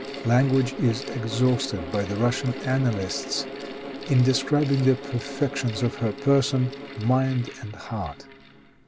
Language is exhausted, by the Russian annalists, in describing the perfections of her person, mind and heart.